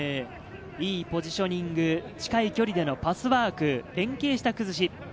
いいポジショニング、近い距離でのパスワーク、連係した崩し。